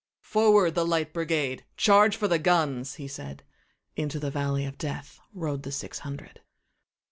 "Forward, the Light Brigade! Charge for the guns!" he said:Into the valley of DeathRode the six hundred.